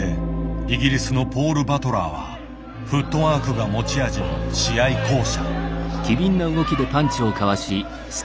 イギリスのポール・バトラーはフットワークが持ち味の試合巧者。